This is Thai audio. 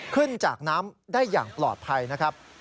ขึ้นจากน้ำได้อย่างปลอดภัยนะครับ